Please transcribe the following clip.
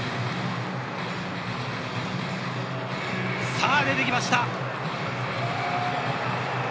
さぁ、出てきました！